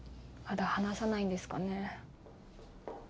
まだ話さないんですかね。